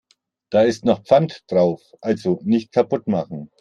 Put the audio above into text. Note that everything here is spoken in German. Da ist noch Pfand drauf, also nicht kaputt machen.